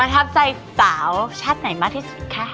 ทับใจสาวชาติไหนมากที่สุดคะ